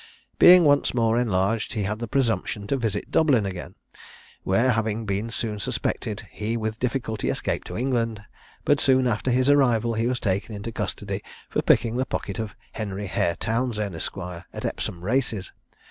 Being once more enlarged, he had the presumption to visit Dublin again, where having been soon suspected, he with difficulty escaped to England; but, soon after his arrival, he was taken into custody for picking the pocket of Henry Hare Townsend, Esq. at Epsom Races.